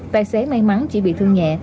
tài xế may mắn chỉ bị thương nhẹ